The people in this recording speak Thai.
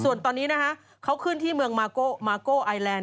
ส่วนตอนนี้นะคะเขาขึ้นที่เมืองมาโกมาโก้ไอแลนด